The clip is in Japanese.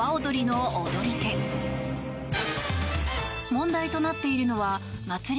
問題となっているのは祭り